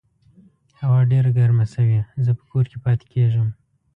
هوا ډېره ګرمه شوې، زه په کور کې پاتې کیږم